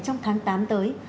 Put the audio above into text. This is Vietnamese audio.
trong tháng tám tới